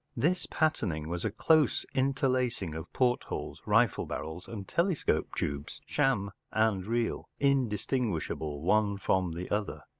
This patterning was a close interlacing of portholes, rifle barrels, and telescope tubes— sham and real—indistinguishable one from the other.